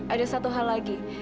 ada satu hal lagi